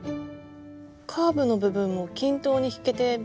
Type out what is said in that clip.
カーブの部分も均等に引けて便利ですね。